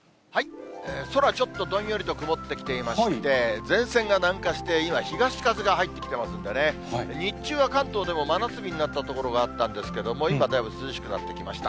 空ちょっとどんよりと曇ってきていまして、前線が南下して、今、東風が入ってきてますんでね、日中は関東でも真夏日になった所があったんですけども、今、だいぶ涼しくなってきました。